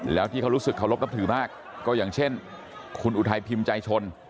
แล้วที่เขารู้สึกเคารพนับถือมากก็อย่างเช่นคุณอุทัยพิมพ์ใจชน